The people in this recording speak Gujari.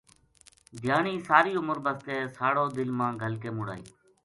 دھیانی ساری عمر بَسطے ساڑو دل ما گھل کے مڑ اَئی